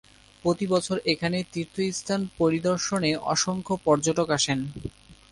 প্রতিবছর এখানে তীর্থস্থান পরিদর্শনে অসংখ্য পর্যটক আসেন।